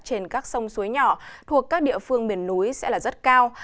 trên các sông suối nhỏ thuộc các địa phương miền núi sẽ là rất cao